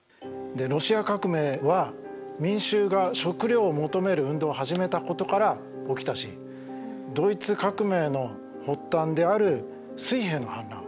ロシア革命は民衆が食料を求める運動を始めたことから起きたしドイツ革命の発端である水兵の反乱。